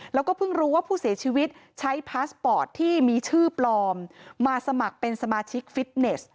แล้วก็เพิ่งรู้ว่าผู้เสียชีวิตใช้พาสปอร์ตที่มีชื่อปลอมมาสมัครเป็นสมาชิกฟิตเนส